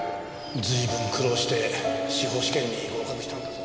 随分苦労して司法試験に合格したんだぞ。